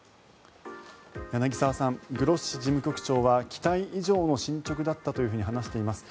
柳澤さん、グロッシ事務局長は期待以上の進ちょくだったと話しています。